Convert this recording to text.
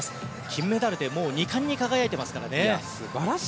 金メダルでもう２冠に輝いていますからね。